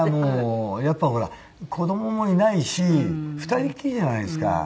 やっぱりほら子供もいないし２人きりじゃないですか。